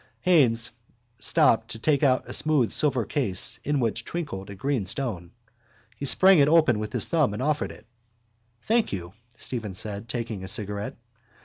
Haines stopped to take out a smooth silver case in which twinkled a green stone. He sprang it open with his thumb and offered it. —Thank you, Stephen said, taking a cigarette.